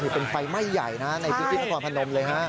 เป็นไฟไหม้ใหญ่นะในชีวิตนครพนมเลยค่ะ